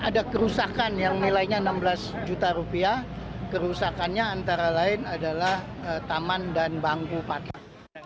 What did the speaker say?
ada kerusakan yang nilainya enam belas juta rupiah kerusakannya antara lain adalah taman dan bangku patah